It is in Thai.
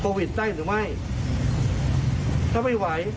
ถ้าไม่ไหวท่านพักเถอะ